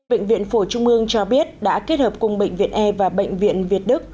bệnh viện phổ trung mương cho biết đã kết hợp cùng bệnh viện e và bệnh viện việt đức